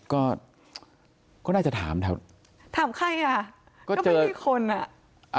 ก็ก็น่าจะถามแถวถามใครอ่ะก็เจอพี่คนอ่ะ